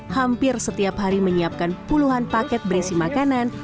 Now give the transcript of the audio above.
hampir setiap hari menyiapkan puluhan paket berisi makanan